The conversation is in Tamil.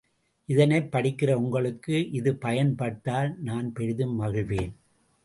இதனைப் படிக்கிற உங்களுக்கும் இது பயன் பட்டால் நான் பெரிதும் மகிழ்வேன்.